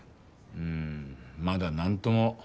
うんまだ何とも。